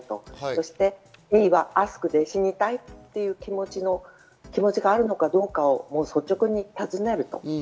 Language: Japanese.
そしてＡはＡｓｋで死にたいという気持ちがあるのかどうかを率直に尋ねる。